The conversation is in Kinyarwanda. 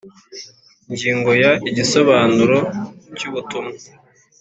Ingingo ya igisobanuro cy ubutumwa